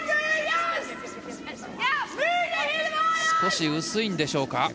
少し薄いんでしょうか。